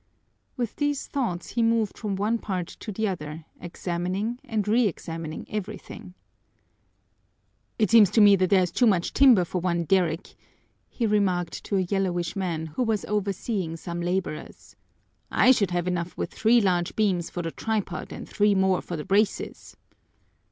With these thoughts he moved from one part to the other, examining and reexamining everything. "It seems to me that there's too much timber for one derrick," he remarked to a yellowish man who was overseeing some laborers. "I should have enough with three large beams for the tripod and three more for the braces."